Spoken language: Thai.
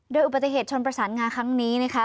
โดยอุบัติเหตุชนประสานงาครั้งนี้นะคะ